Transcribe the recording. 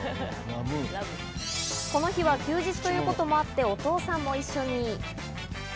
この日は休日ということもあって、お父さんも一緒に。